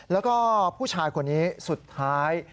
แล้วก็ผู้ชายคนนี้สุดท้าย